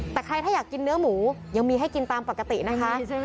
แต่ใครถ้าอยากกินเนื้อหมูยังมีให้กินตามปกตินะคะ